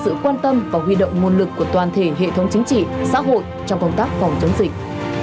sự quan tâm và huy động nguồn lực của toàn thể hệ thống chính trị xã hội trong công tác phòng chống dịch